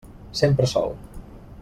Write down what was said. Sempre sol.